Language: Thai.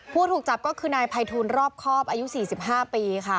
ผู้ถูกจับก็คือนายภัยทูลรอบครอบอายุ๔๕ปีค่ะ